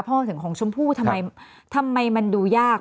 ถึงของชมพู่ทำไมมันดูยาก